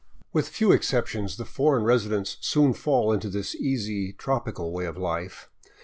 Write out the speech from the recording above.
With few exceptions the foreign residents soon fall into this easy, tropical way of life.